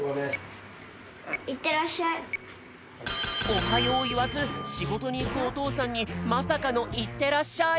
「おはよう」をいわずしごとにいくおとうさんにまさかの「いってらっしゃい」。